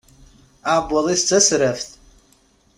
Aɛebbuḍ-is d tasraft.